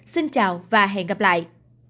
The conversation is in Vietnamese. xin chào và hẹn gặp lại